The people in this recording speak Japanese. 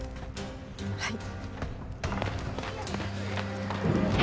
はい。